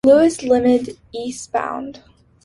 Louis Limited eastbound.